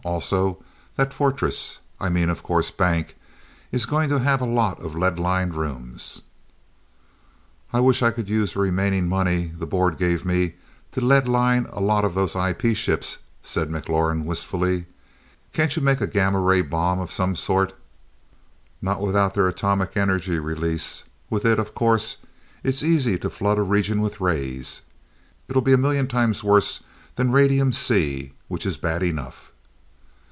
Also, that fortress I mean, of course, bank is going to have a lot of lead lined rooms." "I wish I could use the remaining money the Board gave me to lead line a lot of those IP ships," said McLaurin wistfully. "Can't you make a gamma ray bomb of some sort?" "Not without their atomic energy release. With it, of course, it's easy to flood a region with rays. It'll be a million times worse than radium 'C,' which is bad enough."